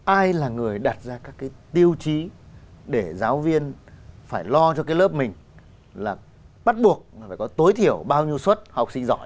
ai là người đặt ra các cái tiêu chí để giáo viên phải lo cho cái lớp mình là bắt buộc phải có tối thiểu bao nhiêu xuất học sinh giỏi